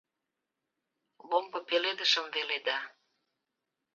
Ломбо пеледышым веледа.